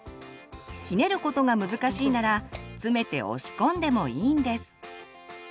ひねることが難しいなら詰めて押し込んでもいいんです。